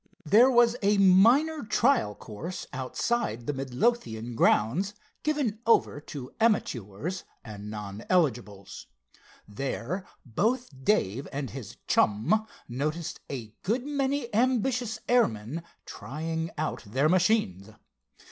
There was a minor trial course outside the Midlothian grounds, given over to amateurs and non eligibles. There both Dave and his chum noticed a good many ambitious airmen trying out their machines.